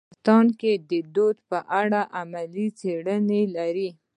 افغانستان د وادي په اړه علمي څېړنې لري.